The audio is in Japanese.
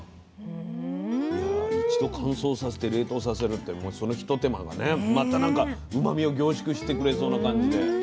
一度乾燥させて冷凍させるってそのひと手間がねまたなんかうまみを凝縮してくれそうな感じで。